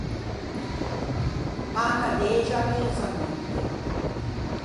Manca dexe à mëzaneutte.